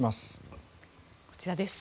こちらです。